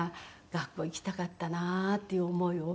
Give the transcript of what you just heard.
学校行きたかったなっていう思いを。